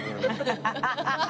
ハハハハハ。